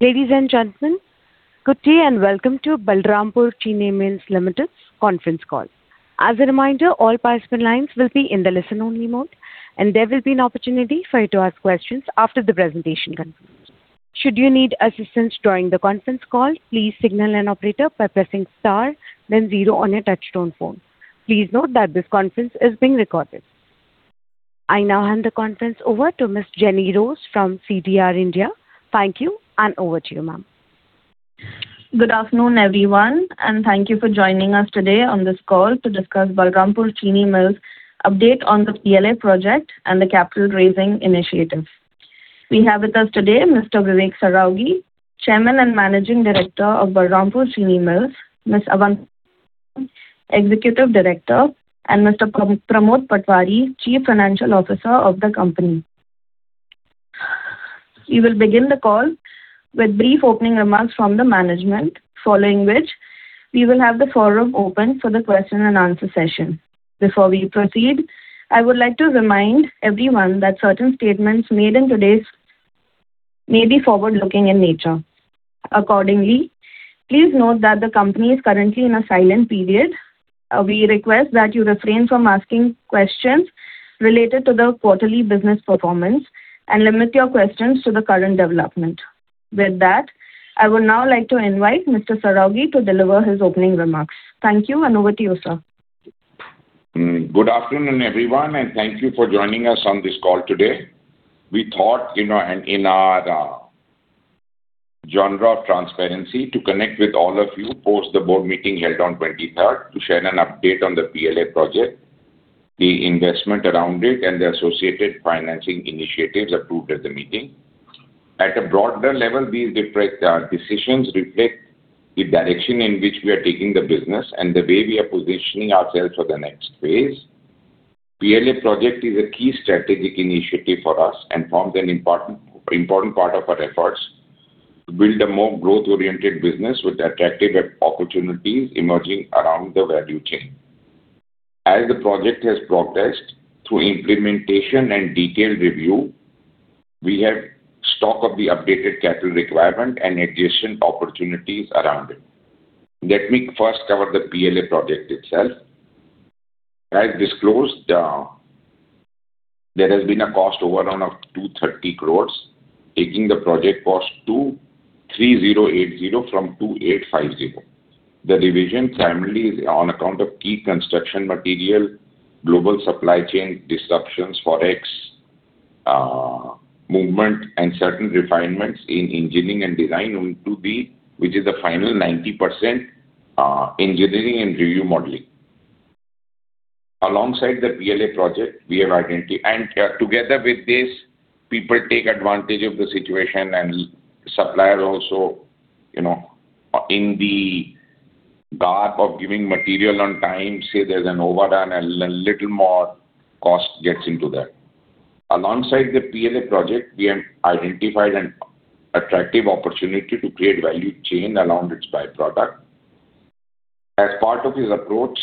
Ladies and gentlemen, good day and welcome to Balrampur Chini Mills Limited conference call. As a reminder, all participant lines will be in the listen only mode, and there will be an opportunity for you to ask questions after the presentation concludes. Should you need assistance during the conference call, please signal an operator by pressing star then zero on your touchtone phone. Please note that this conference is being recorded. I now hand the conference over to Ms. Jency Varghese from CDR India. Thank you, and over to you, ma'am. Good afternoon, everyone, and thank you for joining us today on this call to discuss Balrampur Chini Mills update on the PLA project and the capital raising initiative. We have with us today Mr. Vivek Saraogi, Chairman and Managing Director of Balrampur Chini Mills, Ms. Avantika Saraogi, Executive Director, and Mr. Pramod Patwari, Chief Financial Officer of the company. We will begin the call with brief opening remarks from the management, following which we will have the forum open for the question-and-answer session. Before we proceed, I would like to remind everyone that certain statements made in today's call may be forward-looking in nature. Accordingly, please note that the company is currently in a silent period. We request that you refrain from asking questions related to the quarterly business performance and limit your questions to the current development. With that, I would now like to invite Mr. Saraogi to deliver his opening remarks. Thank you, and over to you, sir. Good afternoon, everyone, and thank you for joining us on this call today. We thought, you know, in our genre of transparency to connect with all of you post the board meeting held on 23rd to share an update on the PLA project, the investment around it, and the associated financing initiatives approved at the meeting. At a broader level, these decisions reflect the direction in which we are taking the business and the way we are positioning ourselves for the next phase. PLA project is a key strategic initiative for us and forms an important part of our efforts to build a more growth-oriented business with attractive opportunities emerging around the value chain. As the project has progressed through implementation and detailed review, we have taken stock of the updated capital requirement and adjacent opportunities around it. Let me first cover the PLA project itself. As disclosed, there has been a cost overrun of 230 crore, taking the project cost to 3,080 crore from 2,850 crore. The revision primarily is on account of key construction material, global supply chain disruptions, forex movement, and certain refinements in engineering and design owing to the final 90% engineering and review modeling. Alongside the PLA project, we have identified an attractive opportunity to create value chain around its byproduct. Together with this, people take advantage of the situation and suppliers also, you know, in the gap of giving material on time, say there's an overrun and a little more cost gets into that. Alongside the PLA project, we have identified an attractive opportunity to create value chain around its byproduct. As part of this approach,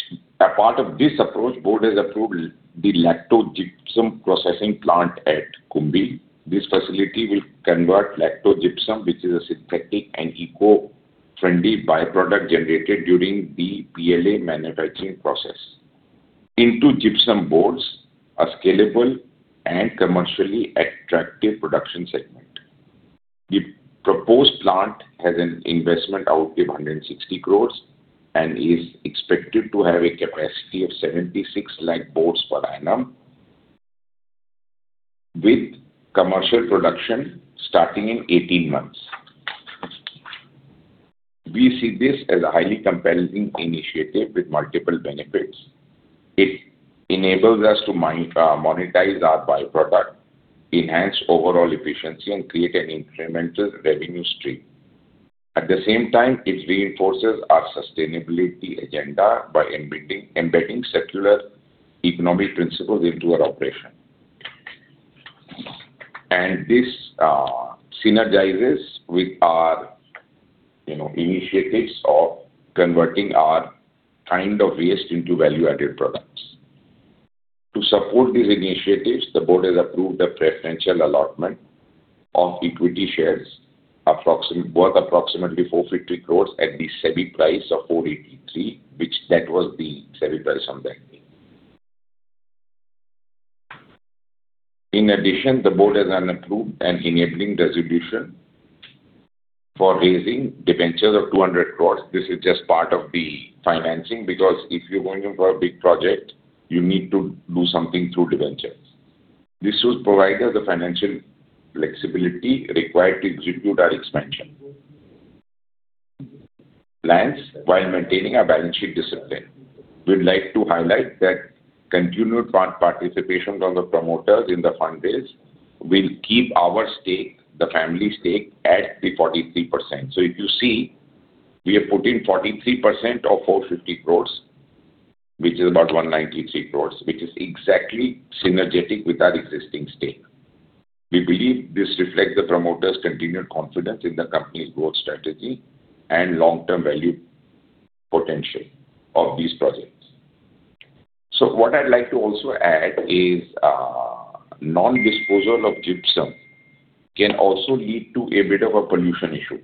board has approved the Lacto Gypsum processing plant at Kumbhi. This facility will convert lacto gypsum, which is a synthetic and eco-friendly byproduct generated during the PLA manufacturing process into gypsum boards, a scalable and commercially attractive production segment. The proposed plant has an investment outlay of 160 crores and is expected to have a capacity of 76 lakh boards per annum, with commercial production starting in 18 months. We see this as a highly compelling initiative with multiple benefits. It enables us to monetize our byproduct, enhance overall efficiency, and create an incremental revenue stream. At the same time, it reinforces our sustainability agenda by embedding circular economic principles into our operation. This synergizes with our, you know, initiatives of converting our kind of waste into value-added products. To support these initiatives, the board has approved a preferential allotment of equity shares- worth approximately 450 crore at the SEBI price of 483, which was the SEBI price on that day. In addition, the board has approved an enabling resolution for raising debentures of 200 crore. This is just part of the financing because if you're going in for a big project, you need to do something through debentures. This should provide us the financial flexibility required to execute our expansion plans while maintaining our balance sheet discipline. We'd like to highlight that continued participation from the promoters in the fundraise will keep our stake, the family stake at the 43%. If you see, we have put in 43% of 450 crore, which is about 193 crore, which is exactly synergetic with our existing stake. We believe this reflects the promoters' continued confidence in the company's growth strategy and long-term value potential of these projects. What I'd like to also add is, non-disposal of gypsum can also lead to a bit of a pollution issue.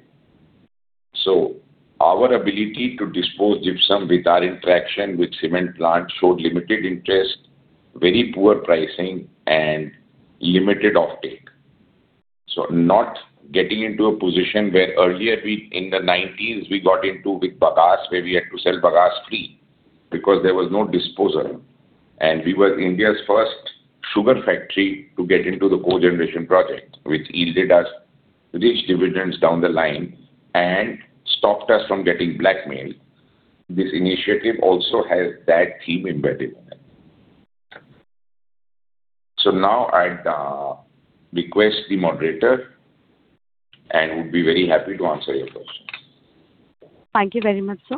Our ability to dispose of gypsum with our interaction with cement plants showed limited interest, very poor pricing and limited offtake. Not getting into a position where earlier we in the 1990s, we got into with bagasse, where we had to sell bagasse for free because there was no disposal, and we were India's first sugar factory to get into the cogeneration project, which yielded us rich dividends down the line and stopped us from getting blackmailed. This initiative also has that theme embedded in it. Now I'd request the moderator, and we'd be very happy to answer your questions. Thank you very much, sir.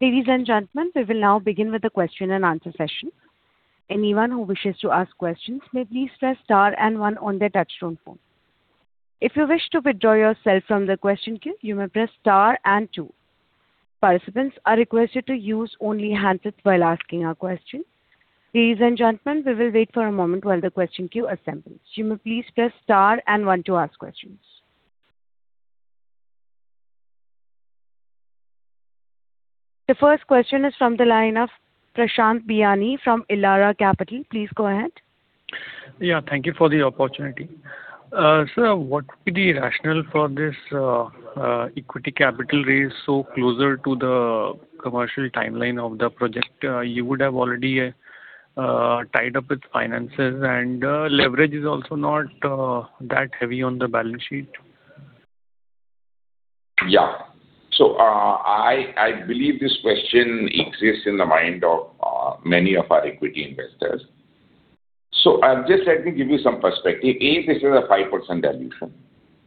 Ladies and gentlemen, we will now begin with the question-and-answer session. Anyone who wishes to ask questions may please press star and one on their touchtone phone. If you wish to withdraw yourself from the question queue, you may press star and two. Participants are requested to use only handsets while asking a question. Ladies and gentlemen, we will wait for a moment while the question queue assembles. You may please press star and one to ask questions. The first question is from the line of Prashant Biyani from Elara Capital. Please go ahead. Yeah. Thank you for the opportunity. Sir, what would be the rationale for this equity capital raise so closer to the commercial timeline of the project? You would have already tied up with finances and leverage is also not that heavy on the balance sheet. Yeah. I believe this question exists in the mind of many of our equity investors. Just let me give you some perspective. A, this is a 5% dilution.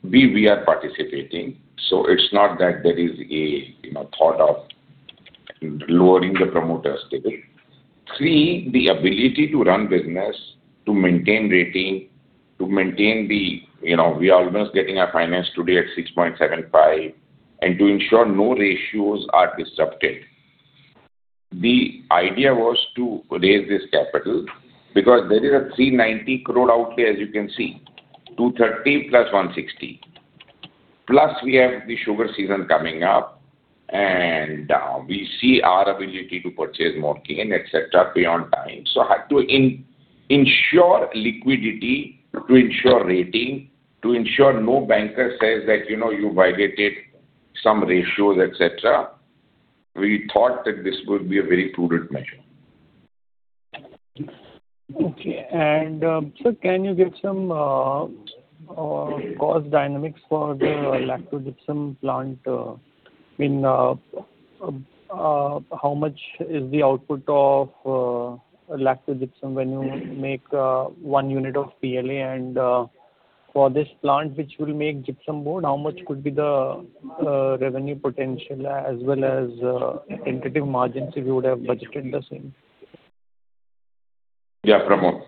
B, we are participating, so it's not that there is a, you know, thought of lowering the promoter stake. C, the ability to run business, to maintain rating, to maintain the, you know, we are almost getting our finance today at 6.75, and to ensure no ratios are disrupted. The idea was to raise this capital because there is an 390 crore outlay, as you can see, 230 plus 160. Plus we have the sugar season coming up, and we see our ability to purchase more cane, et cetera, beyond time. To ensure liquidity, to ensure rating, to ensure no banker says that, you know, you violated some ratios, et cetera, we thought that this would be a very prudent measure. Okay. Sir, can you give some cost dynamics for the Lacto Gypsum plant? I mean, how much is the output of lacto gypsum when you make one unit of PLA? For this plant which will make gypsum board, how much could be the revenue potential as well as indicative margins if you would have budgeted the same? Yeah. Pramod.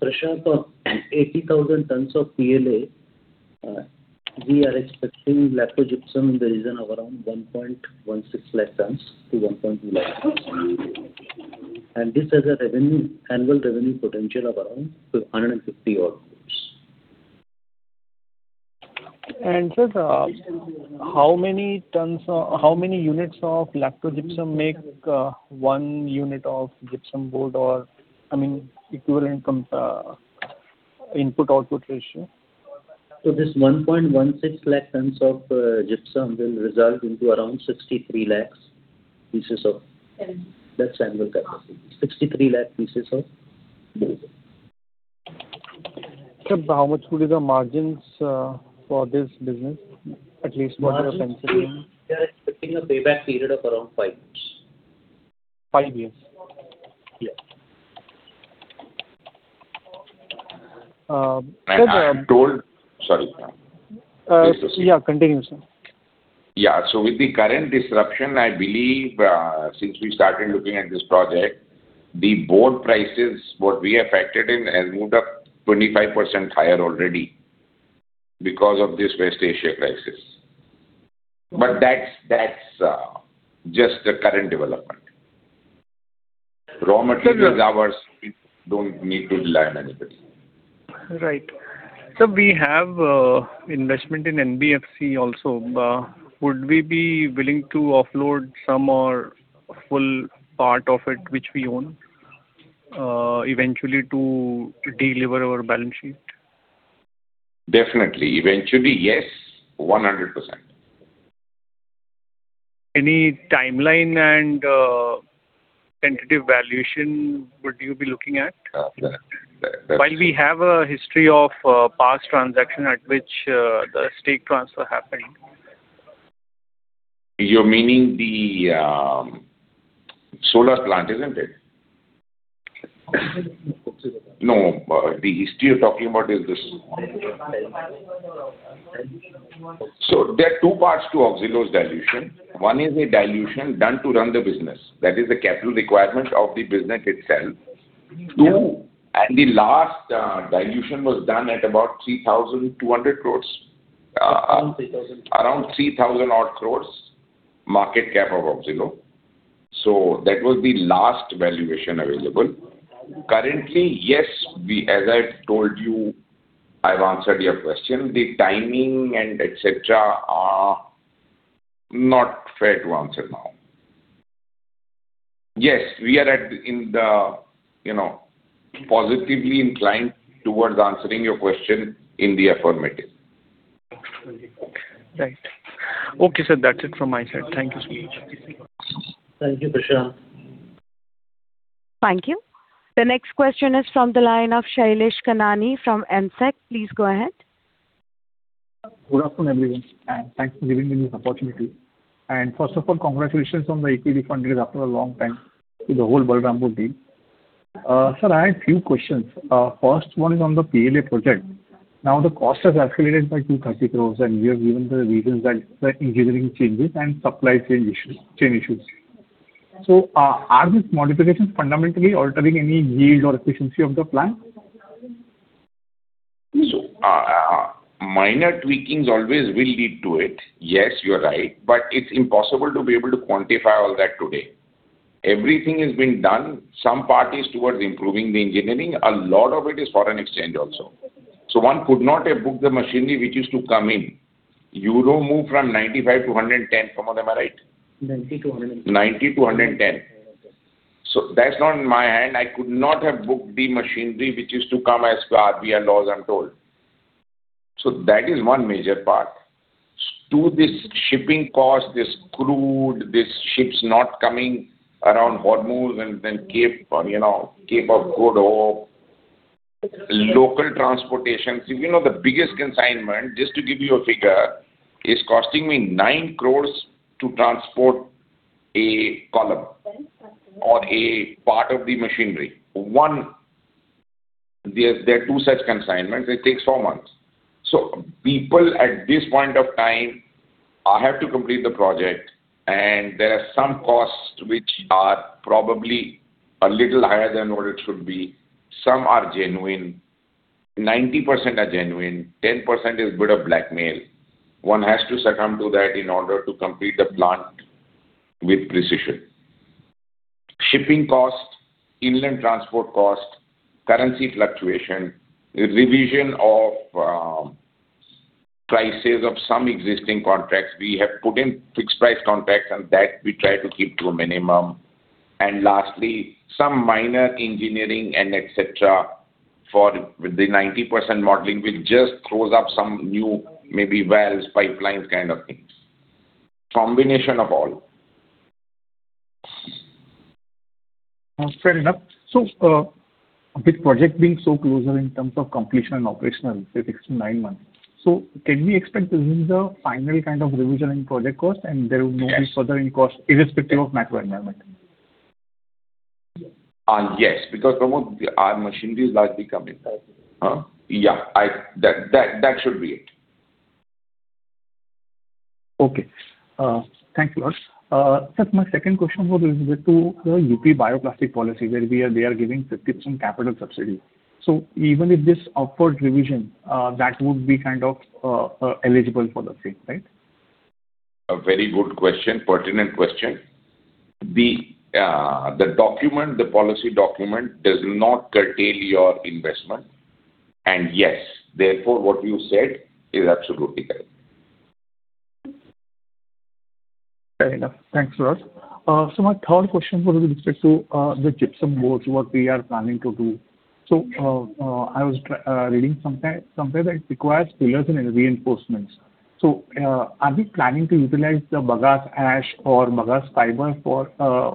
Prashant, for 80,000 tons of PLA, we are expecting lacto gypsum in the region of around 1.16 lakh tons to 1.2 lakh tons. This has a revenue, annual revenue potential of around 150-odd crore. Sir, how many tons or how many units of lacto gypsum make one unit of gypsum board or, I mean, equivalent from input-output ratio? This 1.16 lakh tons of gypsum will result into around 63 lakh pieces of board. That's annual capacity. 63 lakh pieces of board. Sir, how much would be the margins for this business? At least what you're penciling in? Margins, we are expecting a payback period of around five years. Five years? Yeah. Um, sir- Sorry. Yeah. Continue, sir. Yeah. With the current disruption, I believe, since we started looking at this project, the board prices, what we have factored in, has moved up 25% higher already because of this West Asia crisis. That's just the current development. Raw material is ours. Sir. We don't need to rely on anybody. Right. Sir, we have investment in NBFC also. Would we be willing to offload some or full part of it, which we own eventually to delever our balance sheet? Definitely. Eventually, yes, 100%. Any timeline and tentative valuation would you be looking at? Uh, the- While we have a history of past transaction at which the stake transfer happened. You're meaning the Solar plant, isn't it? No. The history you're talking about is this one. There are two parts to Auxilo's dilution. One is a dilution done to run the business. That is the capital requirement of the business itself. Two- Yeah. The last dilution was done at about 3,200 crore. Around 3,000. Around 3,000-odd crore market cap of Auxilo. That was the last valuation available. Currently, yes, we, as I've told you, I've answered your question. The timing and et cetera are not fair to answer now. Yes, we are, in the you know, positively inclined towards answering your question in the affirmative. Right. Okay, sir. That's it from my side. Thank you so much. Thank you, Prashant. Thank you. The next question is from the line of Shailesh Kanani from AM Sec. Please go ahead. Good afternoon, everyone, and thanks for giving me this opportunity. First of all, congratulations on the equity fundraiser after a long time to the whole Balrampur team. Sir, I have few questions. First one is on the PLA project. Now, the cost has escalated by 230 crores, and you have given the reasons that the engineering changes and supply chain issues. Are these modifications fundamentally altering any yield or efficiency of the plant? Minor tweakings always will lead to it. Yes, you are right, but it's impossible to be able to quantify all that today. Everything has been done. Some part is towards improving the engineering. A lot of it is foreign exchange also. One could not have booked the machinery which is to come in. EUR moved from 95-110, Pramod, am I right? 90-110. 90-110. That's not in my hand. I could not have booked the machinery which is to come as per RBI laws and told. That is one major part. To this shipping cost, this crude, these ships not coming around Hormuz and Cape, you know, Cape of Good Hope, local transportation. You know, the biggest consignment, just to give you a figure, is costing me 9 crore to transport a column or a part of the machinery. There are two such consignments. It takes four months. People at this point of time, I have to complete the project, and there are some costs which are probably a little higher than what it should be. Some are genuine. 90% are genuine. 10% is a bit of blackmail. One has to succumb to that in order to complete the plant with precision. Shipping cost, inland transport cost, currency fluctuation, revision of prices of some existing contracts. We have put in fixed price contracts and that we try to keep to a minimum. Lastly, some minor engineering and et cetera for the 90% modeling, which just throws up some new maybe valves, pipelines, kind of things. Combination of all. Fair enough. With project being so closer in terms of completion and operational, say six to nine months. Can we expect this is the final kind of revision in project cost and there will- Yes. No more further increase in cost irrespective of macro environment? Yes, because, Pramod, our machinery is largely coming. Yeah, that should be it. Thank you, Vivek. Sir, my second question was related to the UP bioplastic policy where they are giving 50% capital subsidy. Even if this upward revision, that would be kind of eligible for the same, right? A very good question, pertinent question. The document, the policy document does not curtail your investment. Yes, therefore, what you said is absolutely correct. Fair enough. Thanks, Vivek. My third question was with respect to the gypsum boards, what we are planning to do. I was reading sometime, somewhere that it requires fillers and reinforcements. Are we planning to utilize the bagasse ash or bagasse fiber for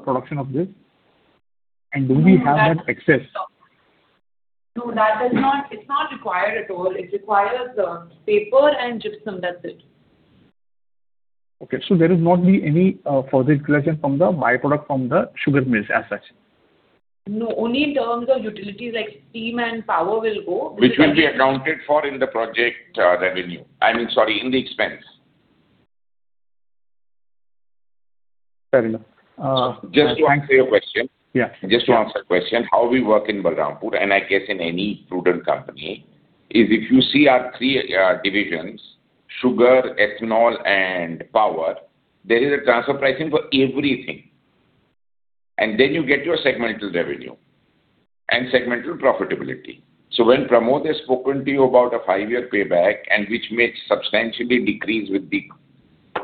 production of this? Do we have that excess? No, that does not. It's not required at all. It requires paper and gypsum. That's it. Okay. There will not be any further utilization from the byproduct from the sugar mills as such? No, only in terms of utilities like steam and power will go. Which will be accounted for in the project revenue. I mean, sorry, in the expense. Fair enough. Just to answer your question. Yeah. Just to answer the question, how we work in Balrampur, and I guess in any prudent company, is if you see our three divisions, Sugar, Ethanol, and Power, there is a transfer pricing for everything. Then you get your segmental revenue and segmental profitability. When Pramod has spoken to you about a five-year payback and which may substantially decrease with the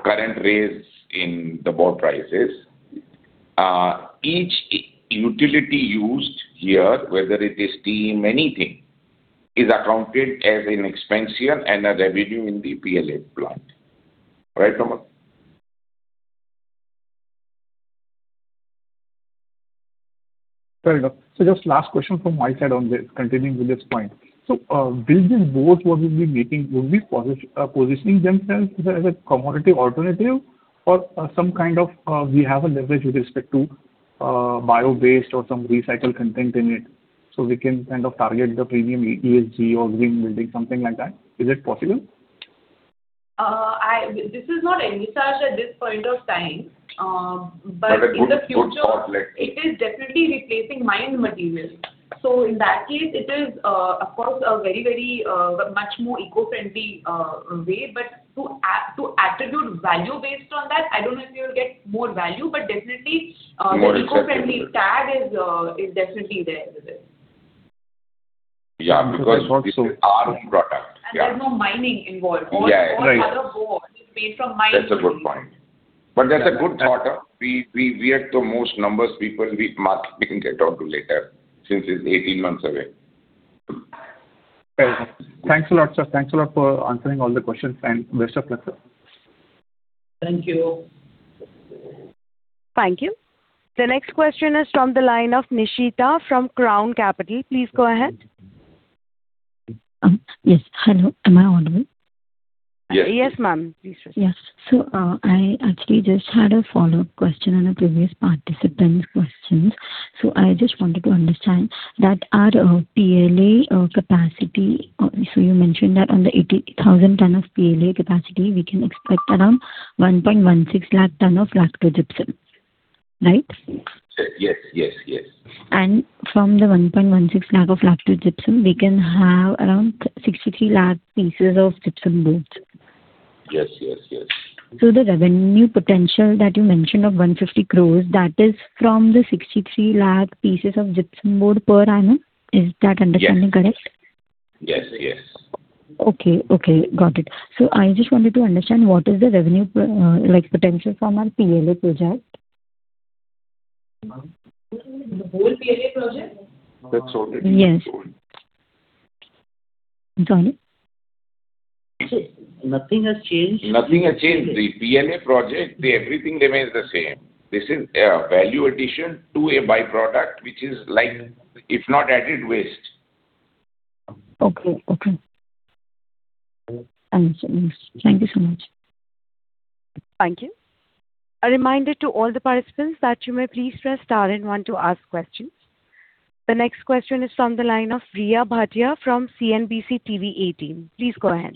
current raise in the board prices, each utility used here, whether it is steam, anything, is accounted as an expense here and a revenue in the PLA plant. Right, Pramod? Fair enough. Just last question from my side on this, continuing with this point. Will these boards that we'll be making, will be positioning themselves as a commodity alternative or, some kind of, we have a leverage with respect to, bio-based or some recycled content in it, so we can kind of target the premium ESG or green building, something like that? Is it possible? This is not any such at this point of time. In the future. a good thought, like It is definitely replacing mined material. In that case, it is, of course, a very much more eco-friendly way. To attribute value based on that, I don't know if you'll get more value, but definitely. More acceptable. The eco-friendly tag is definitely there with it. Yeah, because this is our product. Yeah. There's no mining involved. Yeah. All other board is made from mining. That's a good point. That's a good thought. We have the most numbers people we can get on to later, since it's 18 months away. Very good. Thanks a lot, sir. Thanks a lot for answering all the questions. Best of luck, sir. Thank you. Thank you. The next question is from the line of Nishita from Crown Capital. Please go ahead. Yes. Hello, am I audible? Yes. Yes, ma'am. Please proceed. Yes. I actually just had a follow-up question on a previous participant's questions. I just wanted to understand that our PLA capacity, so you mentioned that on the 80,000 tons of PLA capacity, we can expect around 1.16 lakh tons of lacto gypsum. Right? Yes. From the 1.16 lakh of lacto gypsum, we can have around 63 lakh pieces of gypsum boards. Yes. The revenue potential that you mentioned of 150 crore, that is from the 63 lakh pieces of gypsum board per annum. Is that understanding correct? Yes. Yes. Okay. Got it. I just wanted to understand what the revenue potential is from our PLA project. The whole PLA project? That's already been told. Yes. Got it. Nothing has changed. Nothing has changed. The PLA project, everything remains the same. This is a value addition to a by-product which is like, if not added, waste. Okay. Understood. Thank you so much. Thank you. A reminder to all the participants that you may please press star and one to ask questions. The next question is from the line of Riya Bhatia from CNBC-TV18. Please go ahead.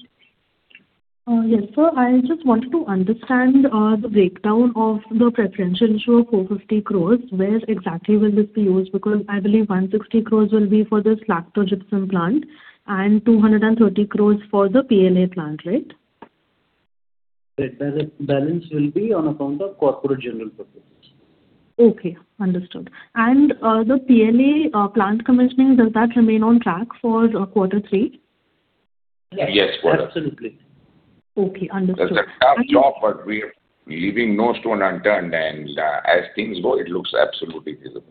Yes, sir. I just wanted to understand the breakdown of the preferential issue of 450 crores. Where exactly will this be used? Because I believe 160 crores will be for this lacto gypsum plant and 230 crores for the PLA plant, right? The balance will be on account of corporate general purposes. Okay. Understood. The PLA plant commissioning, does that remain on track for quarter three? Yes. Yes, absolutely. Okay. Understood. That's a tough job, but we're leaving no stone unturned. As things go, it looks absolutely viable.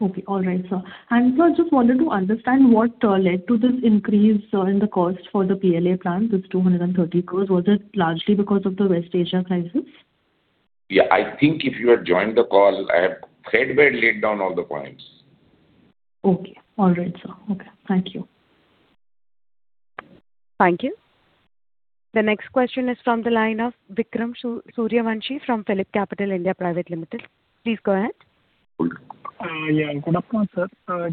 Okay. All right, sir. Sir, I just wanted to understand what led to this increase in the cost for the PLA plant, 230 crores. Was it largely because of the West Asia crisis? Yeah. I think if you had joined the call, I have already laid down all the points. Okay. All right, sir. Okay. Thank you. Thank you. The next question is from the line of Vikram Suryavanshi from PhillipCapital India Private Limited. Please go ahead. Yeah. Good afternoon, sir.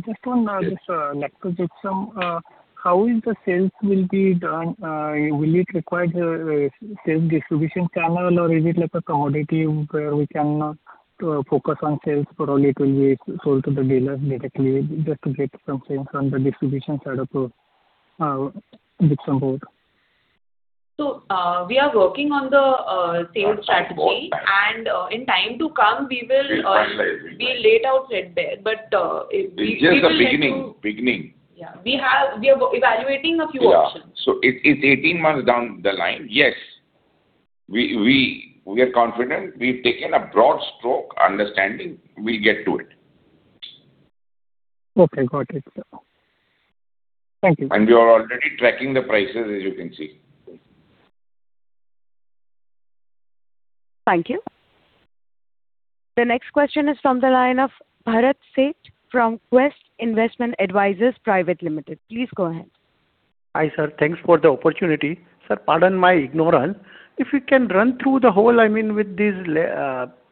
Just on, Yes This lacto gypsum, how is the sales will be done? Will it require the sales distribution channel, or is it like a commodity where we can focus on sales, but only it will be sold to the dealers directly just to get some sales from the distribution side of the gypsum board? We are working on the sales strategy. In time to come, we will We'll finalize. We'll lay it out ahead there. We will have to- It's just the beginning. Yeah. We are evaluating a few options. Yeah. It's 18 months down the line. Yes. We are confident. We've taken a broad stroke understanding, we'll get to it. Okay. Got it, sir. Thank you. We are already tracking the prices, as you can see. Thank you. The next question is from the line of Bharat Sheth from Quest Investment Advisors Private Limited. Please go ahead. Hi, sir. Thanks for the opportunity. Sir, pardon my ignorance. If you can run through the whole, I mean, with this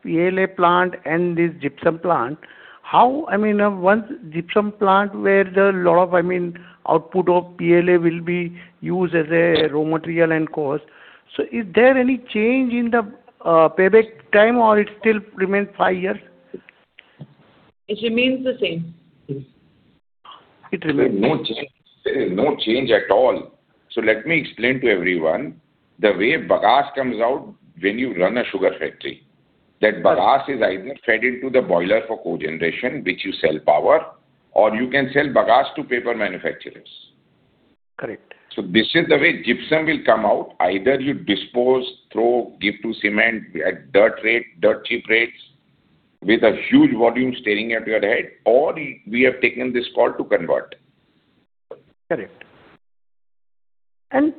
PLA plant and this gypsum plant, how, I mean, once gypsum plant, where a lot of, I mean, output of PLA will be used as a raw material and cost. Is there any change in the payback time, or it still remains five years? It remains the same. It remains same. No change. There is no change at all. Let me explain to everyone. The way bagasse comes out when you run a sugar factory, that bagasse is either fed into the boiler for cogeneration, which you sell power, or you can sell bagasse to paper manufacturers. Correct. This is the way gypsum will come out. Either you dispose, throw, give to cement at dirt rate, dirt cheap rates with a huge volume staring at your head, or we have taken this call to convert. Correct.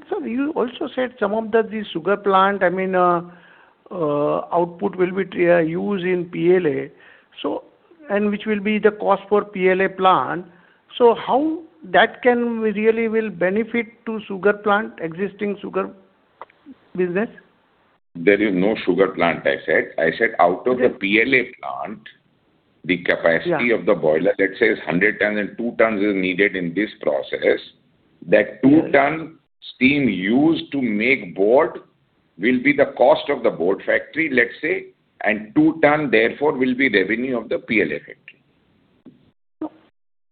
Sir, you also said some of the Sugar plant, I mean, output will be used in PLA, so and which will be the cost for PLA plant. How that can really will benefit to Sugar plant, existing Sugar business? There is no sugar plant, I said. I said out of the PLA plant, the capacity of the boiler, let's say is 100 ton and 2 tons is needed in this process. That 2 ton steam used to make board will be the cost of the board factory, let's say, and 2 ton, therefore, will be revenue of the PLA factory.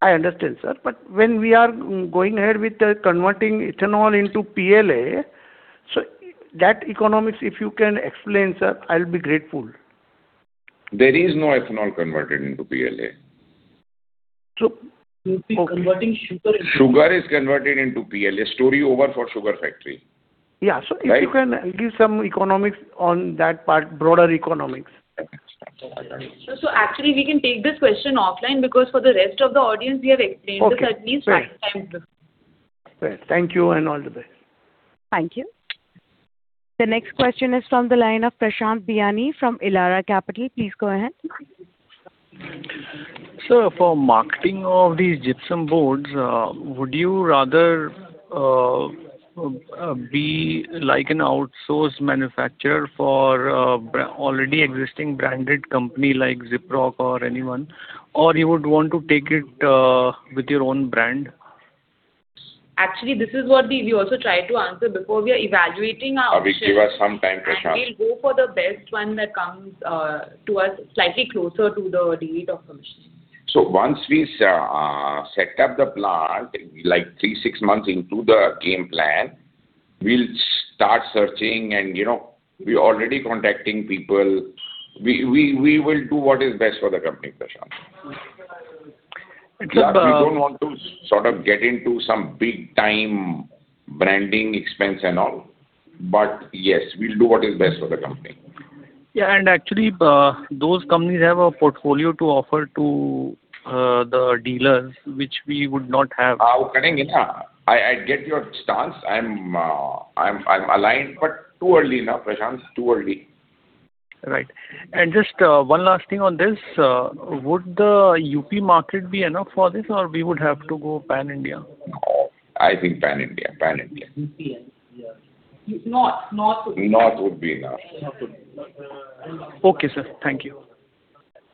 I understand, sir. When we are going ahead with converting ethanol into PLA, so that economics, if you can explain, sir, I'll be grateful. There is no ethanol converted into PLA. So- Converting sugar into- Sugar is converted into PLA. Story over for sugar factory. Yeah. If you can give some economics on that part, broader economics. Actually, we can take this question offline because for the rest of the audience, we have explained this at least five times. Great. Thank you and all the best. Thank you. The next question is from the line of Prashant Biyani from Elara Capital. Please go ahead. Sir, for marketing of these gypsum boards, would you rather be like an outsourced manufacturer for already existing branded company like Gyproc or anyone, or you would want to take it with your own brand? Actually, this is what we also tried to answer before. We are evaluating our options. Give us some time, Prashant. We'll go for the best one that comes to us slightly closer to the date of commission. Once we set up the plant, like three to six months into the game plan, we'll start searching and we already contacting people. We will do what is best for the company, Prashant. We don't want to sort of get into some big time branding expense and all. Yes, we'll do what is best for the company. Yeah, actually, those companies have a portfolio to offer to the dealers, which we would not have. I get your stance. I'm aligned, but too early now, Prashant. Too early. Right. Just one last thing on this. Would the U.P. market be enough for this or we would have to go pan-India? No, I think pan-India. North. North would be enough. Okay, sir. Thank you.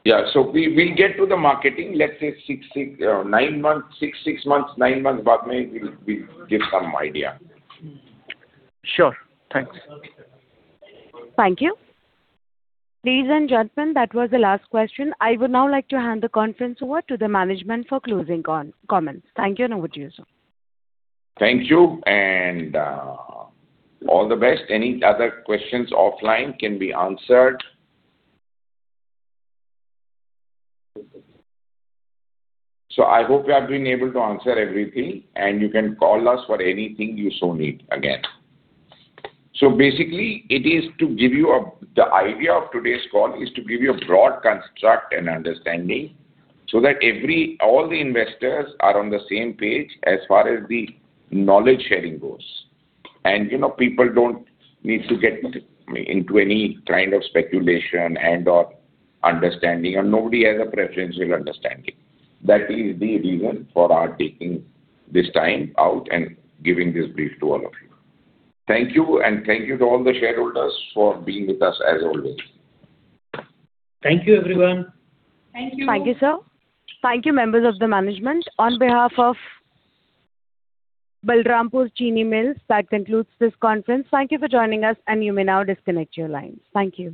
Yeah. We'll get to the marketing, let's say six, nine months. Six months, nine months, we'll give some idea. Sure. Thanks. Thank you. Ladies and gentlemen, that was the last question. I would now like to hand the conference over to the management for closing comments. Thank you and over to you, sir. Thank you and, all the best. Any other questions offline can be answered. I hope we have been able to answer everything, and you can call us for anything you so need again. Basically, it is to give you The idea of today's call is to give you a broad construct and understanding so that every, all the investors are on the same page as far as the knowledge sharing goes. You know, people don't need to get into any kind of speculation and/or understanding, and nobody has a preferential understanding. That is the reason for our taking this time out and giving this brief to all of you. Thank you, and thank you to all the shareholders for being with us as always. Thank you, everyone. Thank you. Thank you, sir. Thank you, members of the management. On behalf of Balrampur Chini Mills, that concludes this conference. Thank you for joining us and you may now disconnect your lines. Thank you.